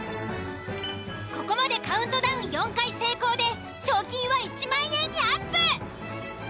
ここまでカウントダウン４回成功で賞金は１万円にアップ。